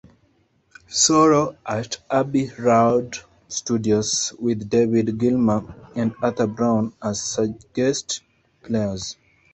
Sorrow at Abbey Road Studios, with David Gilmour and Arthur Brown as guest players.